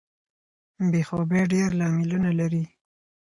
بې خوبۍ ډیر لاملونه لري.